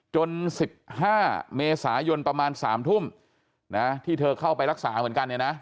๑๕เมษายนประมาณ๓ทุ่มนะที่เธอเข้าไปรักษาเหมือนกันเนี่ยนะ